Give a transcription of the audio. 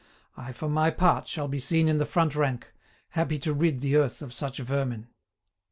I for my part shall be seen in the front rank, happy to rid the earth of such vermin."